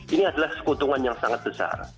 ini adalah sekutungan yang sangat besar